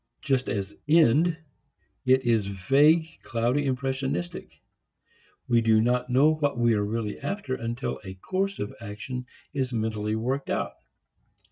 Just as end, it is vague, cloudy, impressionistic. We do not know what we are really after until a course of action is mentally worked out.